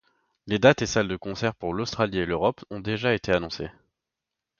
Les dates et salles de concerts pour l'Australie et l'Europe ont déjà été annoncées.